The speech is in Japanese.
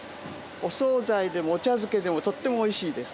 お総菜でもお茶漬けでも、とってもおいしいです。